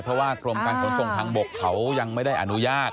เพราะว่ากรมการขนส่งทางบกเขายังไม่ได้อนุญาต